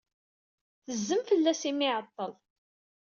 Tezzem fell-as imi ay iɛeḍḍel.